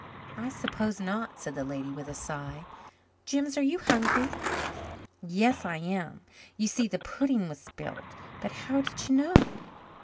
"I suppose not," said the lady with a sigh. "Jims, are you hungry?" "Yes, I am. You see, the pudding was spilled. But how did you know?"